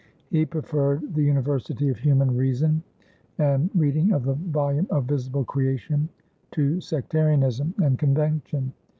He preferred "the universitie of humane reason and reading of the volume of visible creation" to sectarianism and convention.